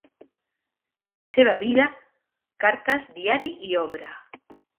La seva vida, cartes, diari i obra.